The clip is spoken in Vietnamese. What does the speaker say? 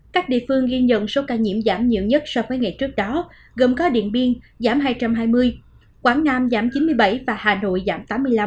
các địa phương ghi nhận số ca nhiễm giảm nhiều nhất so với ngày trước đó gồm có điện biên giảm hai trăm hai mươi quảng nam giảm chín mươi bảy và hà nội giảm tám mươi năm